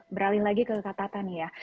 beralih lagi ke kata tata nih ya